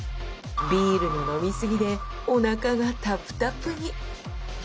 ビールの飲み過ぎでおなかがタプタプに！